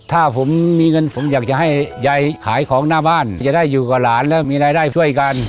ถ้าผมมีเงินผมอยากจะให้ยายขายของหน้าบ้านจะได้อยู่กับหลานแล้วมีรายได้ช่วยกัน